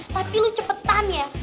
tapi lo cepetan ya